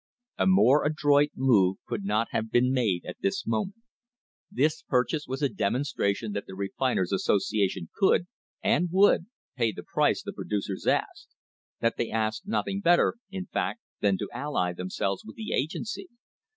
A more adroit move could not have been made at this moment. This purchase was a demonstration that the Refiners' Association could and would pay the price the producers asked; that they asked nothing better, in fact, than to ally themselves with the agency.